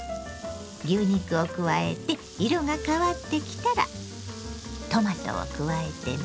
牛肉を加えて色が変わってきたらトマトを加えてね。